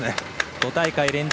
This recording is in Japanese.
５大会連続。